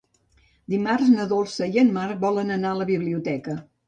Dimarts na Dolça i en Marc volen anar a la biblioteca.